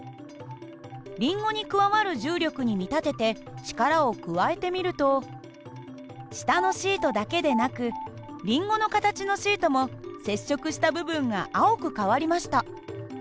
りんごに加わる重力に見立てて力を加えてみると下のシートだけでなくりんごの形のシートも接触した部分が青く変わりました。